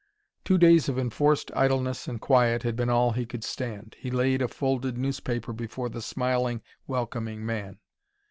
Two days of enforced idleness and quiet had been all he could stand. He laid a folded newspaper before the smiling, welcoming man.